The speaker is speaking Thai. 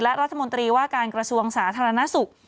และรัฐมนตรีว่าการกระทรวงสาธารณสุข